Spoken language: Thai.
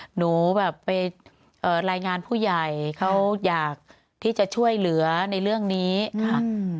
หนูแบบไปเอ่อรายงานผู้ใหญ่เขาอยากที่จะช่วยเหลือในเรื่องนี้ค่ะ